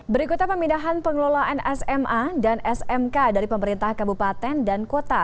berikutnya pemindahan pengelolaan sma dan smk dari pemerintah kabupaten dan kota